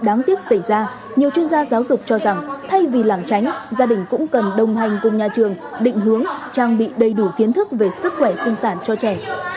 để tránh những câu chuyện đáng tiếc xảy ra nhiều chuyên gia giáo dục cho rằng thay vì làm tránh gia đình cũng cần đồng hành cùng nhà trường định hướng trang bị đầy đủ kiến thức về sức khỏe sinh sản cho trẻ